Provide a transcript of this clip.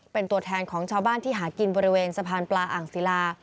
เป็นตัวแทนของชาวบ้านที่หากินบริเวณสะพานปลาอ่างศิลา